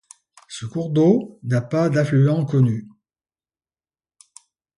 Ce cours d'eau n'a pas d'affluents connus.